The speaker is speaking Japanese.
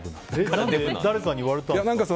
誰かに言われたんですか？